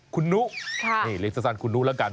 คุณนู้เรียกสิทธิ์สั้นคนหนู้แล้วก่อน